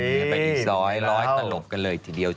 นี่ไปอีกซอยร้อยตลบกันเลยทีเดียว